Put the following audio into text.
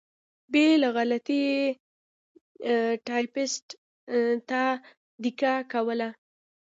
بې له غلطۍ یې ټایپېسټ ته دیکته کول.